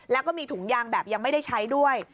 แล้วก็มีถุงยางแบบยังไม่ได้ใช้ด้วย